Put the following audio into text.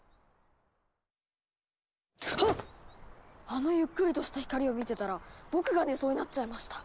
あのゆっくりとした光を見てたら僕が寝そうになっちゃいました。